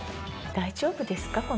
大丈夫ですか？